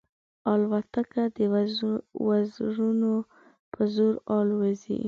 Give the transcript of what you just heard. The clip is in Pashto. الوتکه د وزرونو په زور الوزي.